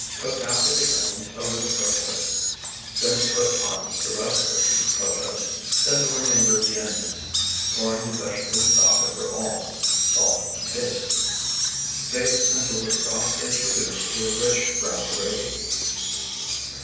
Cook half of the onions over the protose, then put on the rest of the protose, then the remainder of the onions, pouring the vegetable stock over all. Salt to taste. Bake until the stock is reduced to a rich brown gravy.